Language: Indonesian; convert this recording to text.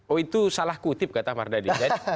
oh itu salah kutip kata mardadi